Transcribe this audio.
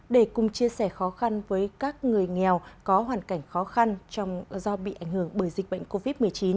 để cùng chia sẻ khó khăn với các người nghèo có hoàn cảnh khó khăn do bị ảnh hưởng bởi dịch bệnh covid một mươi chín